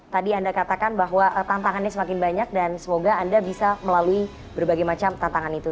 tadi anda katakan bahwa tantangannya semakin banyak dan semoga anda bisa melalui berbagai macam tantangan itu